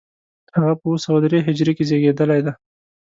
هغه په اوه سوه درې هجري کې زېږېدلی دی.